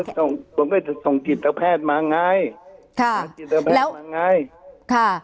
ผมก็จะส่งกิจกรรมแพทย์มาไง